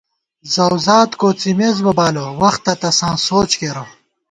زؤوزات کوڅِمېس بہ بالہ، وختہ تساں سوچ کېرہ